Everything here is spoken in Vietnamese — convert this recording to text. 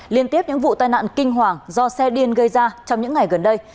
liên tiếp những vụ tai nạn kinh hoàng do xe điên gây ra trong những ngày gần đây